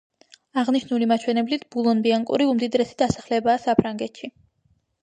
აღნიშნული მაჩვენებლით, ბულონ-ბიანკური უმდიდრესი დასახლებაა საფრანგეთში.